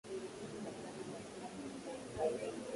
tangu karne ya kumi na saba hadi mwisho wa karne ya kumi na nane